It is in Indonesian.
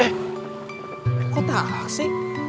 eh kok tak aksi